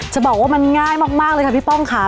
จะบอกว่ามันง่ายมากเลยค่ะพี่ป้องค่ะ